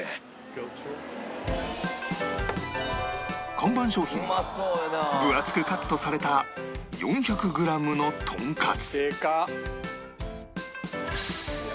看板商品は分厚くカットされた４００グラムのとんかつでかっ！